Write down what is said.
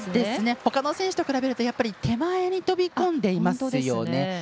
ほかの選手と比べると手前に飛び込んでいますよね。